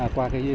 qua hiệu quả